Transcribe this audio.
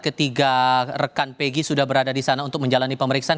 ketiga rekan pegi sudah berada di sana untuk menjalani pemeriksaan